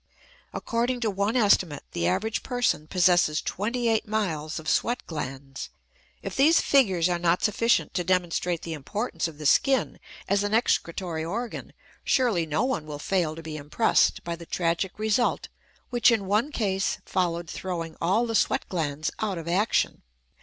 According to one estimate, the average person possesses twenty eight miles of sweat glands. If these figures are not sufficient to demonstrate the importance of the skin as an excretory organ, surely no one will fail to be impressed by the tragic result which in one case followed throwing all the sweat glands out of action.